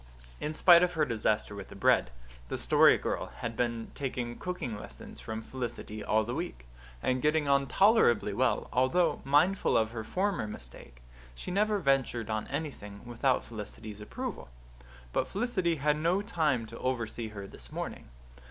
In spite of her disaster with the bread, the Story Girl had been taking cooking lessons from Felicity all the week, and getting on tolerably well, although, mindful of her former mistake, she never ventured on anything without Felicity's approval. But Felicity had no time to oversee her this morning.